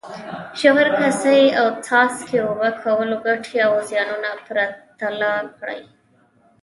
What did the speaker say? ژور، کاسه یي او څاڅکي اوبه کولو ګټې او زیانونه پرتله کړئ.